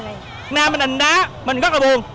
việt nam mình đánh đá mình rất là buồn